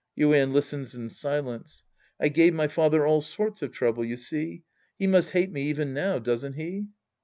(Yuien listens in silence.) I gave my father all sorts of trouble, you see. He must hate me even now, doesn't he